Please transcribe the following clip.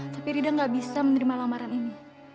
tapi rida gak bisa menerima lamaran ini